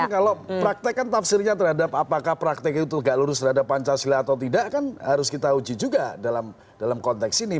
kalau praktek kan tafsirnya terhadap apakah praktek itu tegak lurus terhadap pancasila atau tidak kan harus kita uji juga dalam konteks ini